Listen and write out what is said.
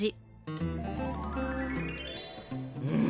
うん。